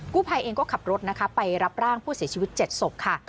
ภัยเองก็ขับรถนะคะไปรับร่างผู้เสียชีวิต๗ศพค่ะ